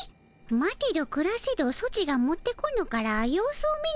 待てどくらせどソチが持ってこぬから様子を見に来たのじゃ。